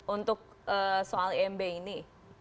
untuk soal imb ini